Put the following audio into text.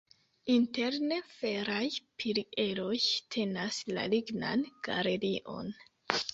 Interne feraj pilieroj tenas la lignan galerion.